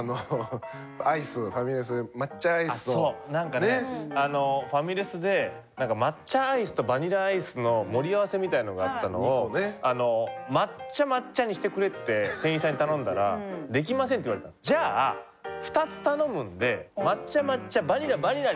なんかねファミレスで抹茶アイスとバニラアイスの盛り合わせみたいのがあったのを抹茶・抹茶にしてくれって店員さんに頼んだらできませんって言われたんです。